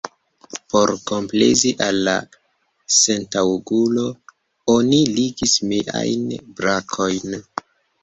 Por komplezi al la sentaŭgulo, oni ligis miajn brakojn.